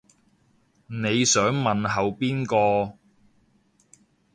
你想問候邊個